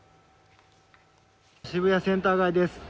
渋谷センター街です。